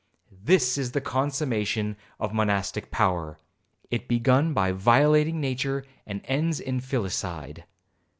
—this is the consummation of monastic power,—it begun by violating nature, and ends in filicide.